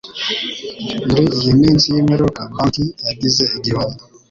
Muri iyi minsi y'imperuka, banki zagize igihombo